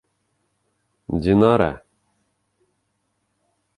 Динара.